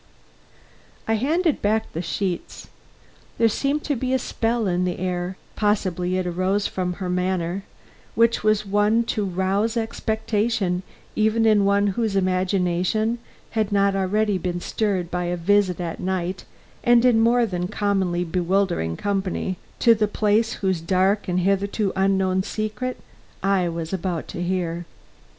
I handed back the sheets. There seemed to be a spell in the air possibly it arose from her manner, which was one to rouse expectation even in one whose imagination had not already been stirred by a visit at night and in more than commonly bewildering company to the place whose dark and hitherto unknown secret I was about to hear.